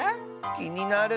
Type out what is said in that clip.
きになる。